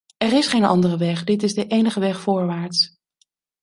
Er is geen andere weg, dit is de enige weg voorwaarts.